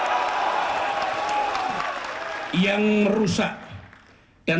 akan kita kejar sampai ke ujung dunia manapun